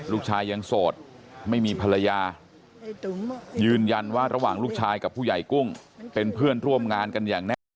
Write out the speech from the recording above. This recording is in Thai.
ลูกชายยังโสดไม่มีภรรยายืนยันว่าระหว่างลูกชายกับผู้ใหญ่กุ้งเป็นเพื่อนร่วมงานกันอย่างแน่นอ